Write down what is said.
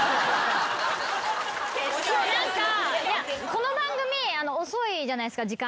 この番組遅いじゃないですか時間が。